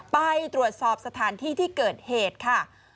ไปตรวจสอบสถานที่ที่เกิดเหตุค่ะ